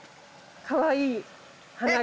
かわいい花が。